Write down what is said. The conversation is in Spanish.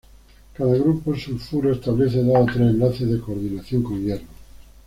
Cada grupo sulfuro establece dos o tres enlaces de coordinación con hierro.